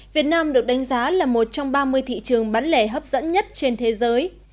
việt nam được đánh giá là một trong ba mươi thị trường bán lẻ hấp dẫn nhất trên thế giới